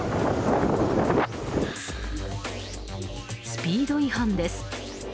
スピード違反です。